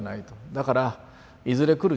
だからいずれ来る